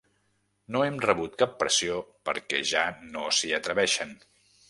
No hem rebut cap pressió, perquè ja no s’hi atreveixen.